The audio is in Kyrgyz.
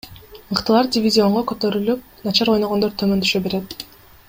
Мыктылар дивизионго көтөрүлүп, начар ойногондор төмөн түшө берет.